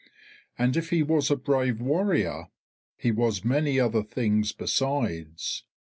And if he was a brave warrior, he was many other things besides.